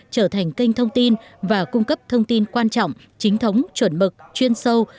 trở thành kênh thông tin và cung cấp thông tin quan trọng chính thống chuẩn mực chuyên sâu